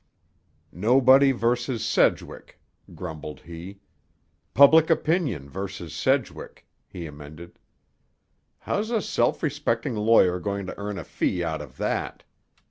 "Nobody vs. Sedgwick," grumbled he. "Public opinion vs. Sedgwick," he amended. "How's a self respecting lawyer going to earn a fee out of that?